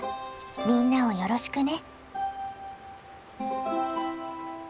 みんなをよろしくね。